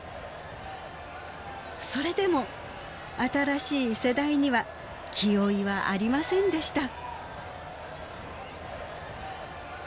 それでも新しい世代には気負いはありませんでした。